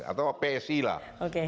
atau psi lah